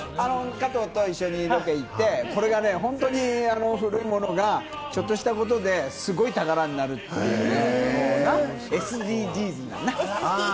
加藤と一緒にロケ行って、これ本当にね、ちょっとしたことで、すごい宝になるっていうね。